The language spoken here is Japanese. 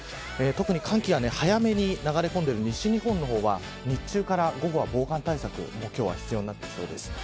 特に寒気が早めに流れ込んでいる西日本は日中から午後は防寒対策必要になってきそうです。